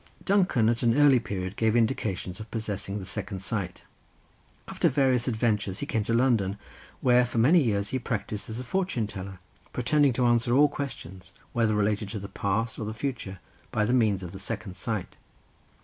Duncan at an early period gave indications of possessing the second sight. After various adventures he came to London, where for many years he practised as a fortune teller, pretending to answer all questions, whether relating to the past or the future, by means of the second sight.